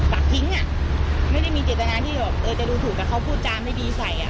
ปากทิ้งนะไม่ได้มีเจตนางที่จะดูถูกแต่เค้าพูดจาไม่ดีใส